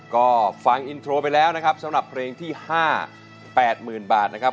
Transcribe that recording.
ก็ฟังอินโทรไปแล้วนะครับสำหรับเพลงที่๕๘๐๐๐บาทนะครับ